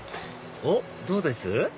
おっどうです？